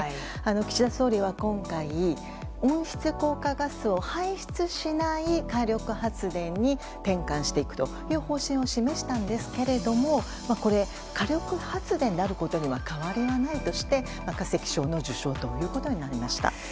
岸田総理は今回温室効果ガスを排出しない火力発電に転換していくという方針を示したんですけれどもこれ、火力発電であることには変わりはないとして化石賞の受賞ということになりました。